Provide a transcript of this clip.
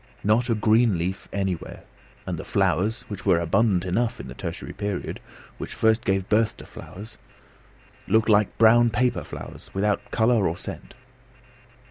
Not a green leaf anywhere, and the flowers which were abundant enough in the tertiary period, which first gave birth to flowers looked like brown paper flowers, without colour or scent.